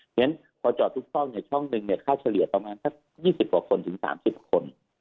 เพราะฉะนั้นพอจอดทุกช่องช่องหนึ่งค่าเฉลี่ยประมาณสัก๒๐กว่าคนถึง๓๐คน